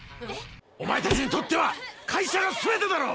おまえたちにとっては会社がすべてだろ！